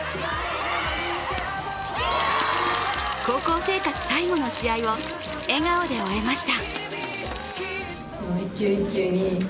高校生活最後の試合を笑顔で終えました。